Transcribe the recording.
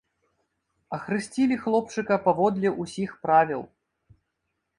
Ахрысцілі хлопчыка паводле ўсіх правіл.